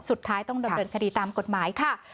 สุดท้ายต้องดำเนินคดีตามกฎหมายค่ะ